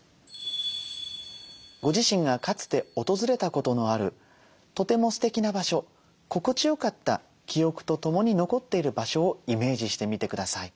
ご自身がかつて訪れたことのあるとてもすてきな場所心地よかった記憶とともに残っている場所をイメージしてみてください。